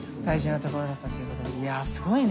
大事なところだったという事で。